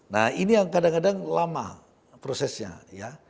nah ini yang kadang kadang lama prosesnya ya